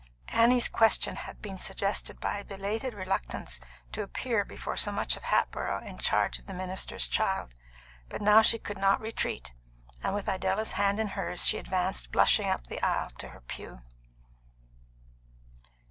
Annie's question had been suggested by a belated reluctance to appear before so much of Hatboro' in charge of the minister's child. But now she could not retreat, and with Idella's hand in hers she advanced blushing up the aisle to her pew.